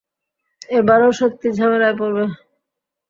এবার ও সত্যিই ঝামেলায় পড়বে।